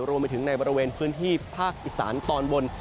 รวมไปถึงในบริเวณพื้นที่ภาคอีสานตอนบน